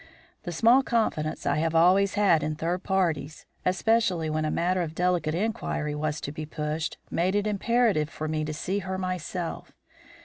The small confidence I have always had in third parties, especially when a matter of delicate inquiry was to be pushed, made it imperative for me to see her myself.